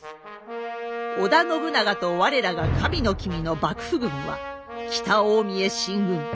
織田信長と我らが神の君の幕府軍は北近江へ進軍。